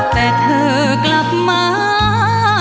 แต่เธอกลับมา